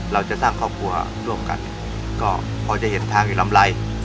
เราจะสร้างครอบครัวร่วมกันก็พอจะเห็นทางอยู่ลำไร